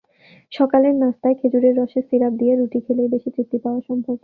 সকালের নাশতায় খেজুর রসের সিরাপ দিয়ে রুটি খেলেই বেশি তৃপ্তি পাওয়া সম্ভব।